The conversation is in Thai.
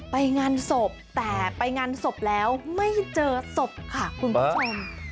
ไปงานศพแต่ไปงานศพแล้วไม่เจอศพค่ะคุณผู้ชม